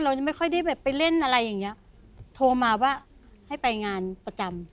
เรายังไม่ค่อยได้แบบไปเล่นอะไรอย่างเงี้ยโทรมาว่าให้ไปงานประจำ